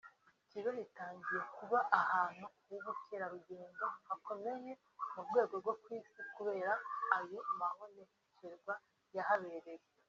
Kibeho itangiye kuba ahantu h’ubukerarugendo hakomeye mu rwego rw’isi kubera ayo mabonekerwa yahabereye